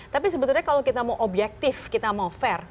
tapi sebetulnya kalau kita mau objektif kita mau fair